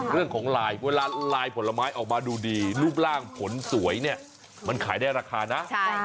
เรื่องของลายเวลาลายผลไม้ออกมาดูดีรูปร่างผลสวยเนี่ยมันขายได้ราคานะ